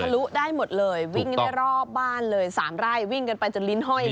ลุได้หมดเลยวิ่งได้รอบบ้านเลย๓ไร่วิ่งกันไปจนลิ้นห้อย